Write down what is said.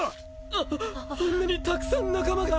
ああんなにたくさん仲間が。